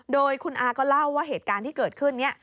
โดยคุณอาก็เล่าว่าเหตุการณ์ที่เกิดขึ้นนี้